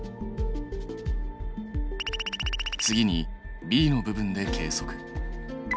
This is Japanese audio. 次にＢの部分で計測。